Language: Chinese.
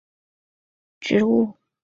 鞘山芎为伞形科山芎属的植物。